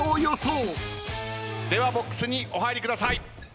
ではボックスにお入りください。